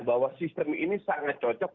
bahwa sistem ini sangat cocok